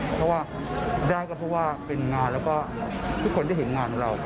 เพราะว่าได้ก็เพราะว่าเป็นงานแล้วก็ทุกคนได้เห็นงานของเรา